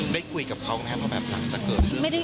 ได้คุยกับเขาแม้แบบนั้นสักเกิดหรือเปล่า